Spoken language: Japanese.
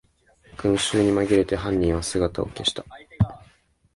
群集にまぎれて犯人は姿を消した